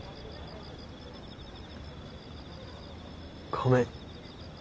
ごめん。